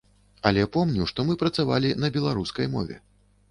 Але помню, што мы працавалі на беларускай мове.